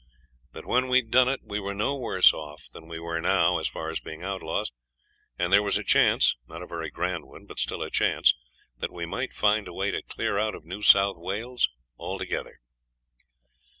That when we had done it, we were no worse off than we were now, as far as being outlaws, and there was a chance not a very grand one, but still a chance that we might find a way to clear out of New South Wales altogether.